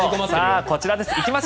こちらです。